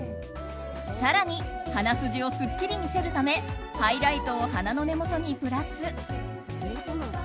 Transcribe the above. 更に鼻筋をすっきり見せるためハイライトを鼻の根元にプラス。